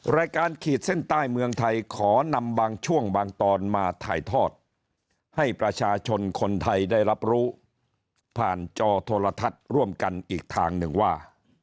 รายการขีดเส้นใต้เมืองไทยขอนำบางช่วงบางตอนมาถ่ายทอดให้ประชาชนคนไทยได้รับรู้ผ่านจอโทรทัศน์ร่วมกันอีกทางหนึ่งว่า